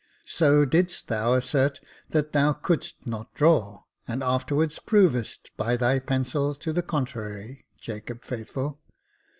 " So didst thou assert that thou couldst not draw, and afterwards provedst by thy pencil to the contrary, Jacob Faithful."